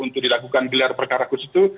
untuk dilakukan gelar perkara khusus itu